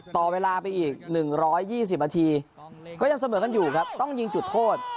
ต่อเวลาไปอีกหนึ่งร้อยยี่สิบนาทีก็ยังเสมอกันอยู่ครับต้องยิงจุดโทษ